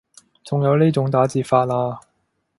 仲有呢種打字法啊